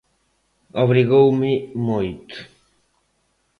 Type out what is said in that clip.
Obrigoume moito.